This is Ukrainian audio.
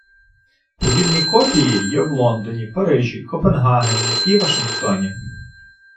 Подібні копії є в Лондоні, Парижі, Копенгагені і Вашингтоні.